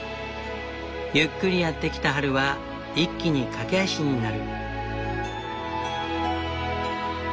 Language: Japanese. ゆっくりやって来た春は一気に駆け足になる。